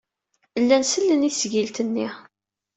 Llan sellen i tesgilt-nni.